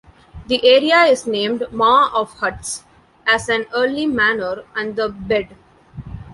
The area is named Ma of Huts, as an early manor, and the Bed